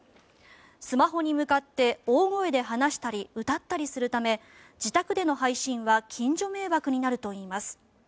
スマホに向かって大声で話したり歌ったりするため自宅での配信は近所迷惑になるといいます。